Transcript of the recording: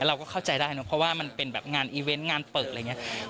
เราก็เข้าใจได้เนอะเพราะว่ามันเป็นแบบงานอีเวนต์งานเปิดอะไรอย่างนี้